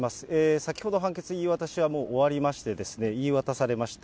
先ほど判決、言い渡しは終わりまして、言い渡されました。